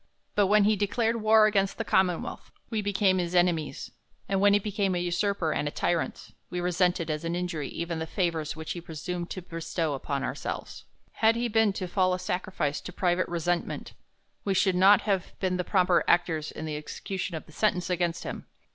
But when he declared war against the commonwealth, we became his enemies ; and when he became an usurper and a tyrant, we resented, as an injury, even the fa vours which he presumed to bestow upon ourselves. Had he been to fall a sacrifice to private resentment, we should not have been the proper actors in the exe cution of the sentence against him.